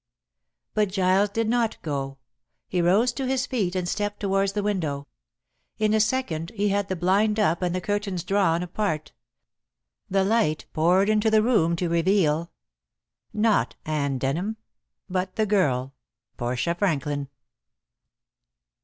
But Giles did not go. He rose to his feet and stepped towards the window. In a second he had the blind up and the curtains drawn apart. The light poured into the room to reveal not Anne Denham, but the girl Portia Franklin.